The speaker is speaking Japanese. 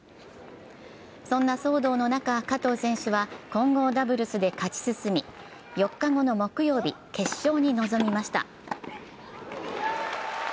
そんな騒動の中、加藤選手は混合ダブルスで勝ち進み、４日後の木曜日、決勝に臨みました。